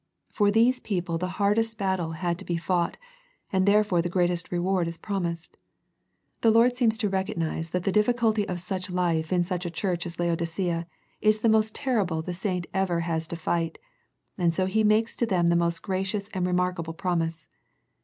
For these people the hardest battle had to be fought, and therefore the greatest reward is promised. The Lord seems to recognize that the difficulty of such life in such a church as Laodicea is the most terrible the saint ever has to fight, and so He makes to them the most gracious and remarkable promise.